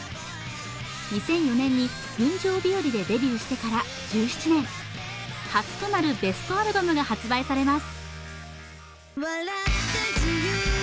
２００４年に「群青日和」でデビューしてから１７年初となるベストアルバムが発売されます。